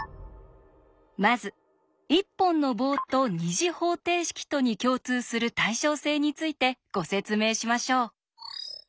まず一本の棒と２次方程式とに共通する対称性についてご説明しましょう。